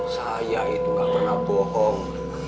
saya itu gak pernah bohong